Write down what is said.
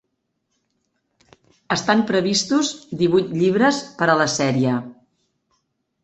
Estan previstos divuit llibres per a la sèrie.